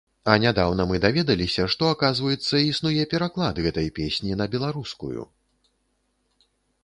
А нядаўна мы даведаліся, што, аказваецца, існуе пераклад гэтай песні на беларускую.